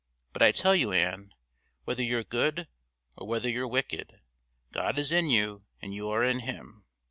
But I tell you, Ann, whether you're good or whether you're wicked, God is in you and you are in Him.